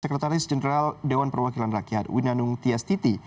sekretaris jenderal dewan perwakilan rakyat winanung tias titi